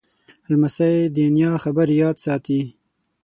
لمسی د نیا خبرې یاد ساتي.